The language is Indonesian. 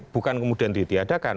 bukan kemudian ditiadakan